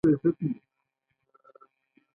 کوربه که مهربانه وي، ټول به يې ستایي.